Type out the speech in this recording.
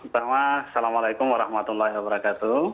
pertama assalamualaikum warahmatullahi wabarakatuh